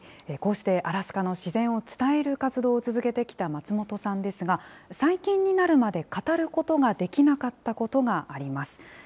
こうして、アラスカの自然を伝える活動を続けてきた松本さんですが、最近になるまで、語ることができなかったことがあります。